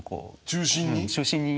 中心に？